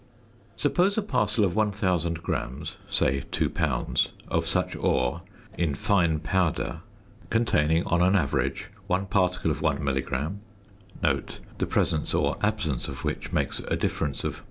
Suppose a parcel of 1000 grams (say 2 lbs.) of such ore in fine powder, containing on an average 1 particle of 1 milligram (the presence or absence of which makes a difference of